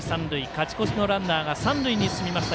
勝ち越しのランナーが三塁に進みました。